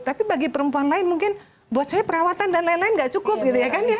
tapi bagi perempuan lain mungkin buat saya perawatan dan lain lain nggak cukup gitu ya kan ya